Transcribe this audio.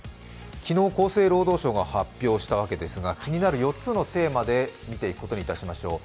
昨日厚生労働省が発表したわけですが、気になる４つのテーマで見ていくことにいたしましょう。